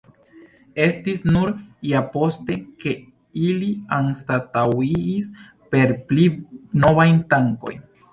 Estis nur ja poste, ke ili anstataŭigis per pli novaj tankoj.